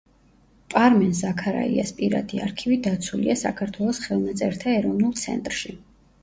პარმენ ზაქარაიას პირადი არქივი დაცულია საქართველოს ხელნაწერთა ეროვნულ ცენტრში.